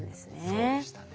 そうでしたね。